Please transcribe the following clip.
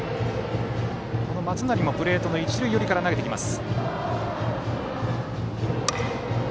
松成も、プレートの一塁寄りから投げてきます。